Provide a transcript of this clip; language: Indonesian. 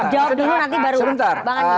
jawab dulu nanti baru